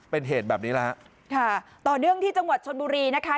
เป็นเหตุแบบนี้แล้วฮะค่ะต่อเนื่องที่จังหวัดชนบุรีนะคะ